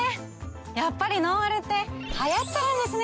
やっぱりノンアルって流行ってるんですね。